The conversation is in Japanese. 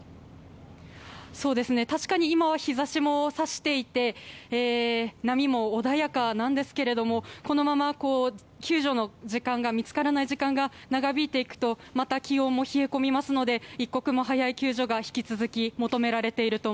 確かに今は日差しもあって波も穏やかなんですけどもこのまま救助で見つからない時間が長引いていくとまた気温も冷え込みますので一刻も早い救助が引き続き、求められています。